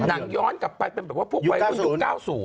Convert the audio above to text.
ย้อนกลับไปเป็นแบบว่าพวกวัยรุ่นยุค๙๐